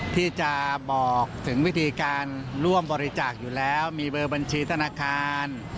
ที่จะบอกถึงวิธีการร่วมบริจาคอยู่แล้วมีเบอร์บัญชีธนาคาร